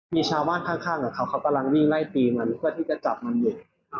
มีชาวบ้านข้างกับเขาเขากำลังวิ่งไล่ตีมันเพื่อที่จะจับมันอยู่